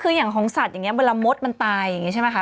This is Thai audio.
คืออย่างของสัตว์อย่างนี้เวลามดมันตายอย่างนี้ใช่ไหมคะ